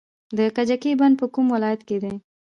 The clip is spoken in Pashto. د کجکي بند په کوم ولایت کې دی؟